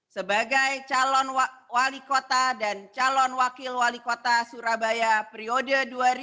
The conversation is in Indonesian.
sebagai calon wali kota dan calon wakil wali kota surabaya periode dua ribu dua puluh dua ribu dua puluh lima